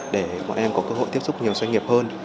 để bọn em có cơ hội tiếp xúc nhiều doanh nghiệp hơn